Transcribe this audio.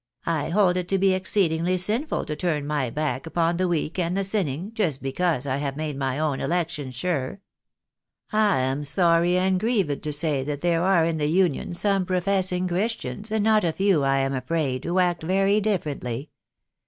" I hold it to be exceedingly sinful to turn my back upon the weak and the sinning, just because I have made my own elec tion sure. I am sorry and grieved to say that there are in the Union some professing Christians, and not a few, I am afraid, who act very differently.